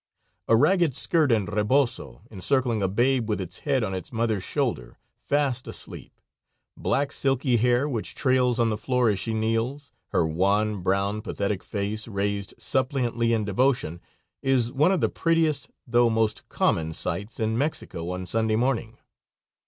A ragged skirt, and rebozo encircling a babe with its head on its mother's shoulder, fast asleep; black, silky hair which trails on the floor as she kneels, her wan, brown, pathetic face raised suppliantly in devotion, is one of the prettiest, though most common, sights in Mexico on Sunday morning.